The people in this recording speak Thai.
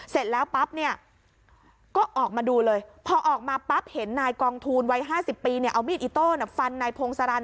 เสร็จแล้วปั๊บเนี่ยก็ออกมาดูเลยพอออกมาปั๊บเห็นนายกองทูลวัย๕๐ปีเนี่ยเอามีดอิโต้ฟันนายพงศรัน